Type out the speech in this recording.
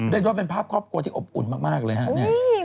ด้วยด้วยเป็นภาพครอบครัวที่อบอุ่นมากเลยฮะนี่